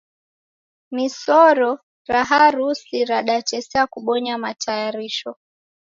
Misoro ra harusi radatesia kubonya matayarisho